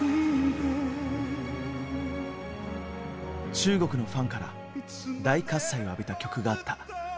中国のファンから大喝采を浴びた曲があった。